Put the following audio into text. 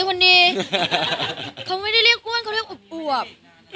คนนี้เขาไม่ได้เรียกอ้วนเขาเรียกอวบ